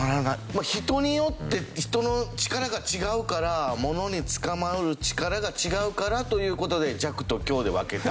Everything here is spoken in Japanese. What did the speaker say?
人によって人の力が違うから物につかまる力が違うからという事で弱と強で分けた。